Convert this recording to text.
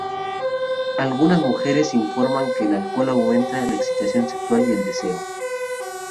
Algunas mujeres informan que el alcohol aumenta la excitación sexual y el deseo.